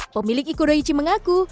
pemilik ikudo ichi mengaku